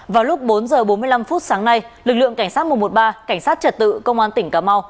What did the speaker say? vào lúc bốn h bốn mươi năm phút sáng nay lực lượng cảnh sát một trăm một mươi ba cảnh sát trật tự công an tỉnh cà mau